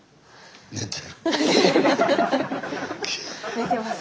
寝てます。